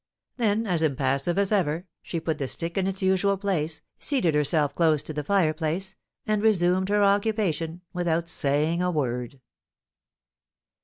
Then, as impassive as ever, she put the stick in its usual place, seated herself close to the fireplace, and resumed her occupation, without saying a word.